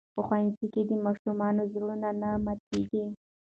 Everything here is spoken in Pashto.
په ښوونځي کې د ماشومانو زړونه نه ماتېږي.